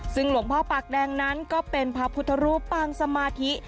ซึ่งหลวงพ่อปากแดงนั้นก็เป็นพระพุทธรูปปางสมาธิ